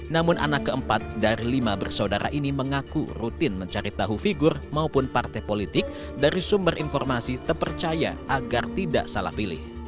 namun anak keempat dari lima bersaudara ini mengaku rutin mencari tahu figur maupun partai politik dari sumber informasi terpercaya agar tidak salah pilih